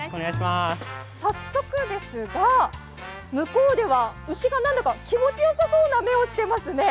早速ですが、向こうでは牛が何だか気持ちよさそうな目をしていますね。